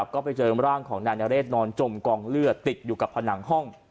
ก็ไปเจอร่างของนายนเรศนอนจมกองเลือดติดอยู่กับผนังห้อง